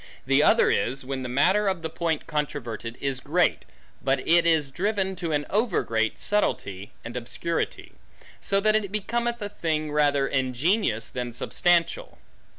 The other is, when the matter of the point controverted, is great, but it is driven to an over great subtilty, and obscurity; so that it becometh a thing rather ingenious, than substantial.